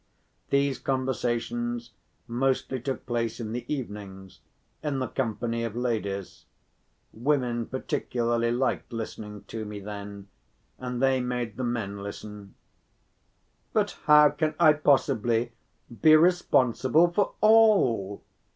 These conversations mostly took place in the evenings, in the company of ladies; women particularly liked listening to me then and they made the men listen. "But how can I possibly be responsible for all?"